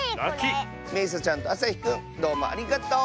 めいさちゃんとあさひくんどうもありがとう！